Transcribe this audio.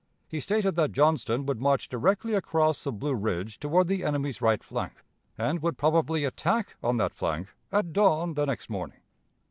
He stated that Johnston would march directly across the Blue Ridge toward the enemy's right flank, and would probably attack on that flank at dawn the next morning.